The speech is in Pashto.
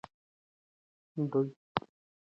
دوی یې قبر ښخوي.